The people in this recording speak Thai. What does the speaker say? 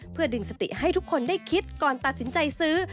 เพื่อดึงสติให้ทุกคนได้คิดก่อนตัดสินใจซื้อ